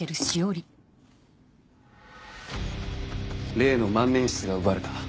例の万年筆が奪われた。